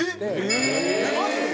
マジで？